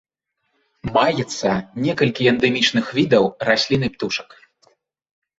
Маецца некалькі эндэмічных відаў раслін і птушак.